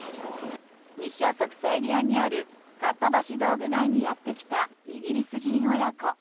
西浅草エリアにあるかっぱ橋道具街にやってきたイギリス人親子。